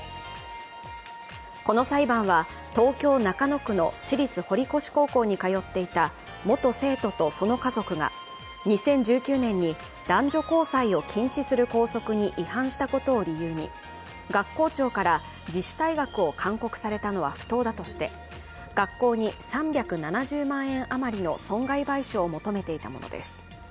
この裁判は東京・中野区の私立堀越高校に通っていた元生徒とその家族が２０１９年に男女交際を禁止する校則に違反したことを理由に学校長から自主退学を勧告されたのは不当だとして学校に３７０万円余りの損害賠償を求めていたものです。